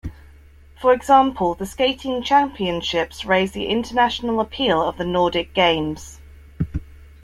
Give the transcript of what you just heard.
For example, the skating championships raised the international appeal of the Nordic Games.